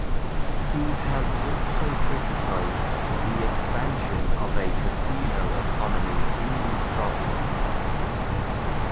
He has also criticized the expansion of a casino economy in the province.